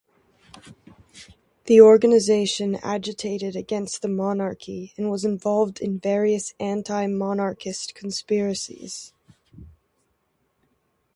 This organization agitated against the monarchy and was involved in various anti-monarchist conspiracies.